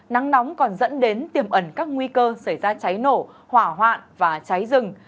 nắng nóng còn dẫn đến tiềm ẩn các nguy cơ xảy ra cháy nổ hỏa hoạn và cháy rừng